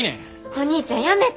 お兄ちゃんやめて。